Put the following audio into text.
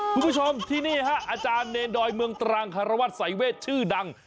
คุณผู้ชมที่นี่ฮะอาจารย์เนรดอยเมืองตรังคารวัตรสายเวทชื่อดัง